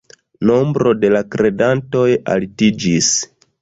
Nombro de la kredantoj altiĝis.